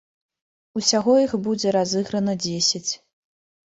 Усяго іх будзе разыграна дзесяць.